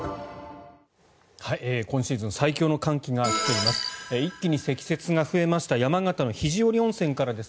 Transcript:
今シーズン最強の寒気が来ています。